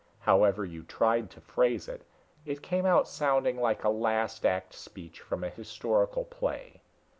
However you tried to phrase it, it came out sounding like a last act speech from a historical play.